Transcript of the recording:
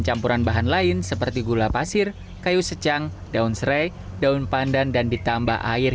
campuran bahan lain seperti gula pasir kayu secang daun serai daun pandan dan ditambah air